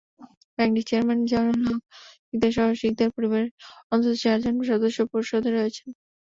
ব্যাংকটির chairman Joynul Haque শিকদারসহ শিকদার পরিবারের অন্তত চারজন সদস্য পর্ষদে রয়েছেন।